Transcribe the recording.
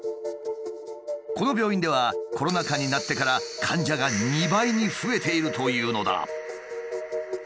この病院ではコロナ禍になってから患者が２倍に増えているというのだ。